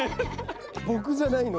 ボクじゃないの？